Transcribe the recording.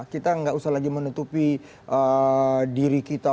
kita nggak usah lagi menutupi diri kita